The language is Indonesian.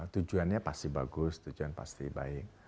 tujuannya pasti bagus tujuan pasti baik